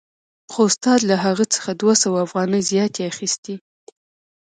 خو استاد له هغه څخه دوه سوه افغانۍ زیاتې اخیستې